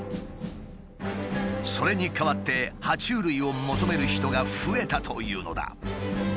それに代わっては虫類を求める人が増えたというのだ。